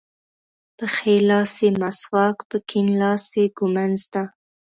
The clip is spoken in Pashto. په ښي لاس یې مسواک په کیڼ لاس ږمونځ ده.